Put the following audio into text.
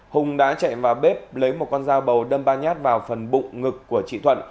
hùng đã chạy vào bếp lấy một con dao bầu đâm ba nhát vào phần bụng ngực của chị thuận